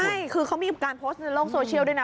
ใช่คือเขามีการโพสต์ในโลกโซเชียลด้วยนะ